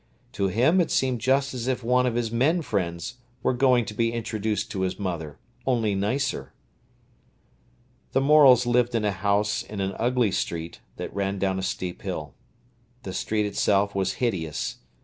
To him it seemed just as if one of his men friends were going to be introduced to his mother, only nicer. The Morels lived in a house in an ugly street that ran down a steep hill. The street itself was hideous.